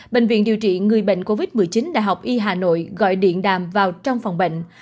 bệnh viện điều trị người bệnh covid một mươi chín đại học y hà nội gọi điện đàm vào trong phòng bệnh